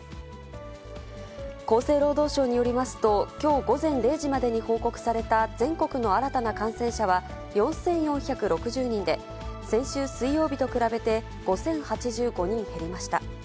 厚生労働省によりますと、きょう午前０時までに報告された全国の新たな感染者は４４６０人で、先週水曜日と比べて５０８５人減りました。